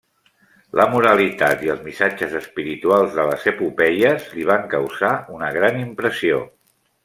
La moralitat i els missatges espirituals de les epopeies li van causar una gran impressió.